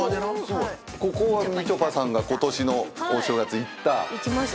ここはみちょぱさんが今年のお正月行った。